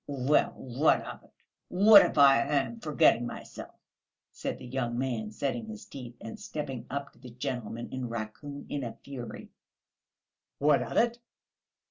"Well, what of it? What if I am forgetting myself?" said the young man, setting his teeth and stepping up to the gentleman in raccoon in a fury. "What of it?